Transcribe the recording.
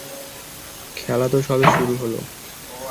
খেলা তো সবে শুরু হলো।